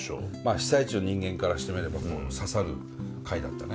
被災地の人間からしてみれば刺さる回だったね。